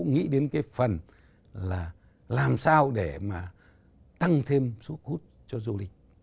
nghĩ đến cái phần là làm sao để mà tăng thêm sức hút cho du lịch